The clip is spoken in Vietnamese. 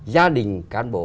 gia đình cán bộ